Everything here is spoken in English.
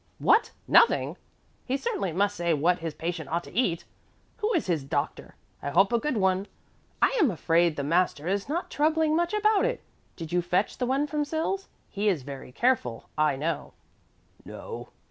"What, nothing? He certainly must say what his patient ought to eat. Who is his doctor? I hope a good one. I am afraid the master is not troubling much about it. Did you fetch the one from Sils? He is very careful, I know." "No."